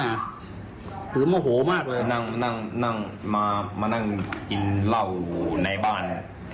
แล้วมานั่งกินเหล้าในบ้าน